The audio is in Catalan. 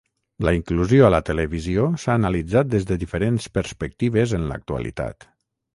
La inclusió a la televisió s'ha analitzat des de diferents perspectives en l'actualitat.